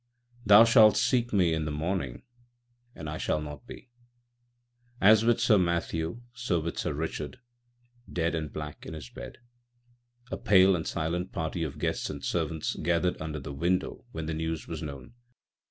"Thou shalt seek me in the morning, and I shall not be." As with Sir Matthew, so with Sir Richard â€" dead and black in his bed! A pale and silent party of guests and servants gathered under the window when the news was known.